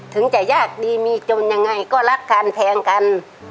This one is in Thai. ถึงจะยากดีมีจนยังไงก็รักกันแทงกัน